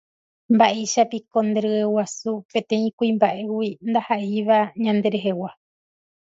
Mba'éichapiko nderyeguasu peteĩ kuimba'égui ndaha'éiva ñanderehegua